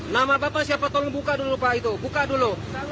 nama bapak siapa tolong buka dulu pak itu buka dulu